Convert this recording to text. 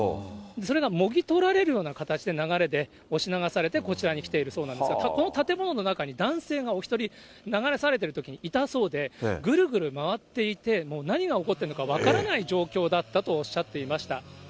それがもぎ取られるような形で流れで押し流されてこちらに来ているそうなんですが、この建物の中に男性がお１人流されているときにいたそうで、ぐるぐる回っていて、もう何が起こってるのか分からない状況だったとおっしゃっていました。